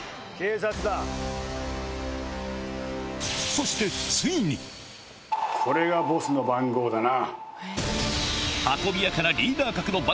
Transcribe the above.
そしてこれがボスの番号だな。